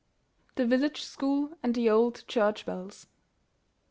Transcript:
THE VILLAGE SCHOOL AND THE OLD CHURCH BELLS.